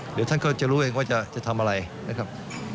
เดี๋ยวท่านก็จะรู้เองว่าจะทำอะไรนะครับ